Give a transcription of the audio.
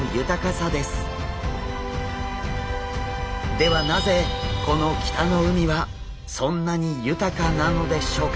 ではなぜこの北の海はそんなに豊かなのでしょうか？